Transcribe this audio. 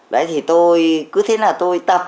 đấy thì tôi cứ thế nào tôi